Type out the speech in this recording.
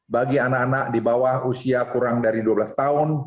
bagi anak anak di bawah usia kurang dari dua belas tahun